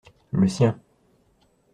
Le sien.